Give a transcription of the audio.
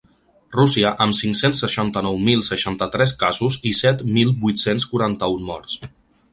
Rússia, amb cinc-cents seixanta-nou mil seixanta-tres casos i set mil vuit-cents quaranta-un morts.